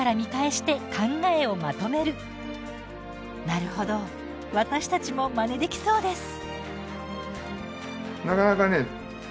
なるほど私たちもまねできそうです。